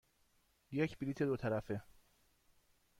یک بلیط دو طرفه.